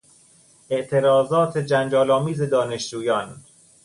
اعتراضات جنجال آمیز دانشجویان